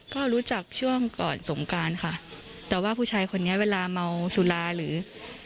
ก็รู้จักช่วงก่อนสงการค่ะแต่ว่าผู้ชายคนนี้เวลาเมาสุราหรือ